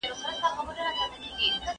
¬ تر باغ ئې مورۍ لو ده.